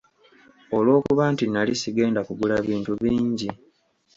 Olw'okuba nti nali sigenda kugula bintu bingi.